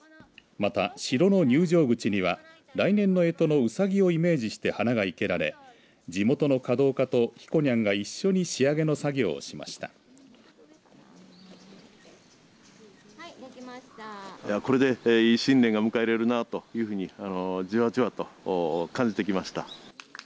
また城の入場口には来年のえとのうさぎをイメージした花が生けられ地元の華道家とひこにゃんが一緒に仕上げの作業をしました。